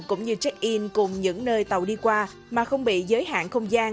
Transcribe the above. cũng như check in cùng những nơi tàu đi qua mà không bị giới hạn không gian